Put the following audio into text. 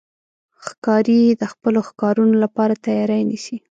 ښکاري د خپلو ښکارونو لپاره تیاری نیسي.